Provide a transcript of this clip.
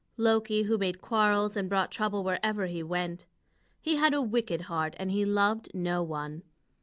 Loki, who made quarrels and brought trouble wherever he went. He had a wicked heart, and he loved no one.